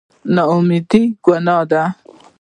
نااميدي ګناه ده